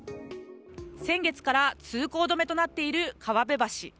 先月から通行止めとなっている川辺橋。